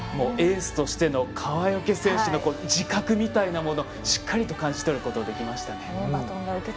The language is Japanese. エースとしての川除選手の自覚のようなものがしっかりと感じ取ることができましたね。